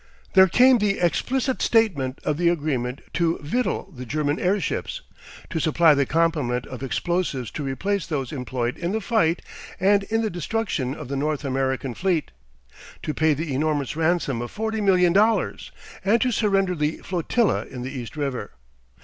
There came the explicit statement of the agreement to victual the German airships, to supply the complement of explosives to replace those employed in the fight and in the destruction of the North Atlantic fleet, to pay the enormous ransom of forty million dollars, and to surrender the flotilla in the East River.